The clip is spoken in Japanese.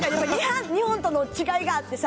日本との違いがあってさ。